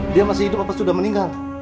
dia masih hidup apa sudah meninggal